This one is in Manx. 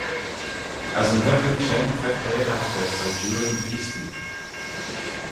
As yn vyghin shen ta cairagh da sidooryn chreestee.